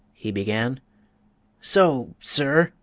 he began. "So, sir!